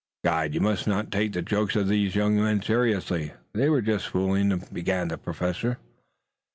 "Guide, you must not take the jokes of these young men seriously. They were just fooling," began the Professor.